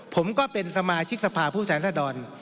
ผมก็เป็นสมาชิกสภาพผู้แทนรัศดร